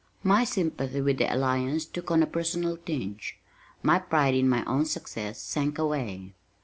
My sympathy with the Alliance took on a personal tinge. My pride in my own "success" sank away.